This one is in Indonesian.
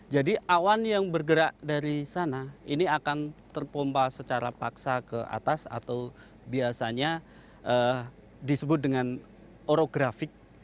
jadi awan yang bergerak dari sana ini akan terpompal secara paksa ke atas atau biasanya disebut dengan orografik